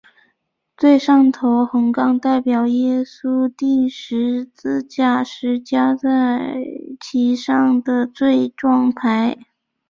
最上头的横杠代表耶稣钉十字架时加在其上的罪状牌。